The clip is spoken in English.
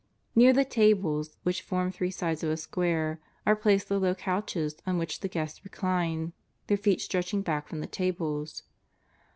Kear the tables, which form three sides of a square, are placed the low couches on which the guests recline, their feet stretching back from the tables.